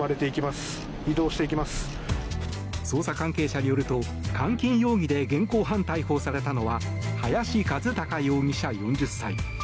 捜査関係者によると監禁容疑で現行犯逮捕されたのは林一貴容疑者、４０歳。